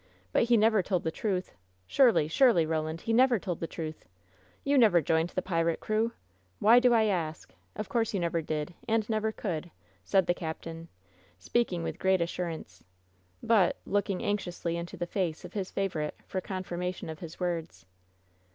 But he never told the truth! Surely, surely, Roland, he never told the truth ! You never joined the pirate crew! Why do I ask? Of course you never did, and never could!" said the captain, speaking with great assurance, but — looking anxiously into the face of his favorite for confirmation of his words.